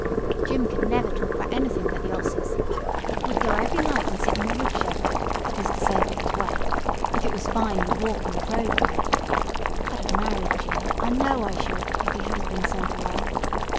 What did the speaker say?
Jim could never talk about anything but the 'osses. We'd go every night and sit in the wood shed, that's to say if it was wet; if it was fine we'd walk in the drove way. I'd have married Jim, I know I should, if he hadn't been sent away.